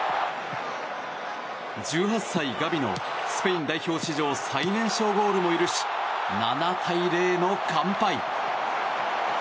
１８歳、ガビのスペイン代表史上最年少ゴールも許し７対０の完敗。